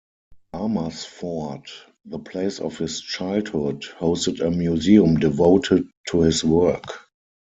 Amersfoort, the place of his childhood, hosted a museum devoted to his work.